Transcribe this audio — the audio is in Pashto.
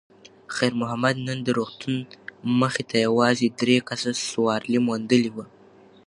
خیر محمد نن د روغتون مخې ته یوازې درې کسه سوارلي موندلې وه.